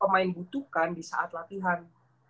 pemain butuhkan di saat latihan